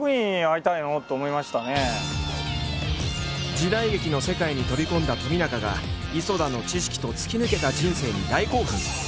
時代劇の世界に飛び込んだ冨永が磯田の知識と突き抜けた人生に大興奮！